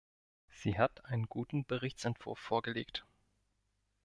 Sie hat einen guten Berichtsentwurf vorgelegt.